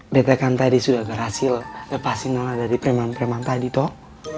detekan tadi sudah berhasil lepasin nolak dari preman preman tadi toh